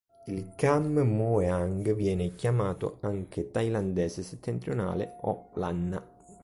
Il kham mueang viene chiamato anche thailandese settentrionale o lanna.